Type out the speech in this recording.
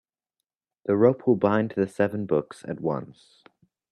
The rope will bind the seven books at once.